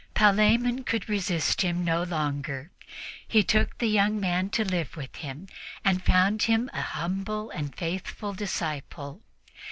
Palemon could resist him no longer. He took the young man to live with him and found him a humble and faithful disciple.